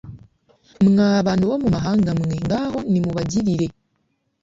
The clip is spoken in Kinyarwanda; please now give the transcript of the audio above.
mwa bantu bo mu mahanga mwe ngaho nimubagirire